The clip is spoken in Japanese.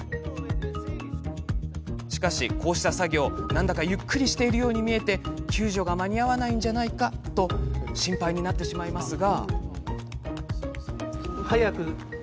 しかし、この作業ゆっくりしているように見えて救助が間に合わないんじゃないかと心配になりますが。